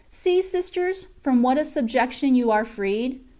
See, sisters, from what a subjection you are freed.